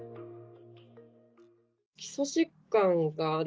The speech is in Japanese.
基礎疾患がある。